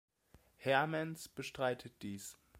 Hermens bestreitet dies.